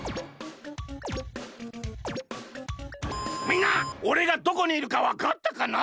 みんなおれがどこにいるかわかったかな？